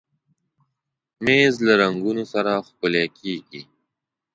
مېز له رنګونو سره ښکلی کېږي.